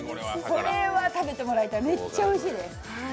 これは食べてもらいたい、めっちゃおいしいです。